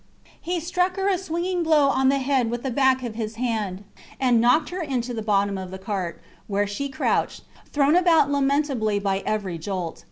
He struck her a swinging blow on the head with the back of his hand and knocked her into the bottom of the cart, where she crouched, thrown about lamentably by every jolt.